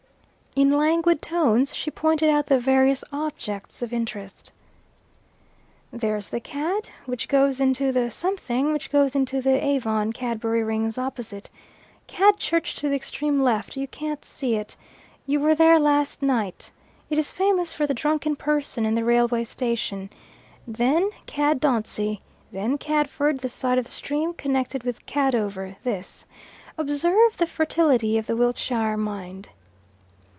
In languid tones she pointed out the various objects of interest. "There's the Cad, which goes into the something, which goes into the Avon. Cadbury Rings opposite, Cadchurch to the extreme left: you can't see it. You were there last night. It is famous for the drunken parson and the railway station. Then Cad Dauntsey. Then Cadford, that side of the stream, connected with Cadover, this. Observe the fertility of the Wiltshire mind."